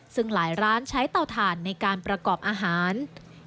ซึ่งหลายร้านใช้เตาถ่านในการประกอบอาหาร